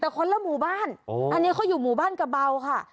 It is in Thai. แต่คนละหมู่บ้านอันนี้เขาอยู่หมู่บ้านกระเบาค่ะ